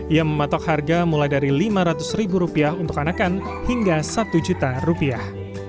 ia mematok harga mulai dari lima ratus ribu rupiah untuk anakan hingga satu juta rupiah